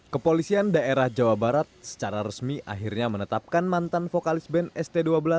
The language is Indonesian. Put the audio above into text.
kepolisian daerah jawa barat secara resmi akhirnya menetapkan mantan vokalis band st dua belas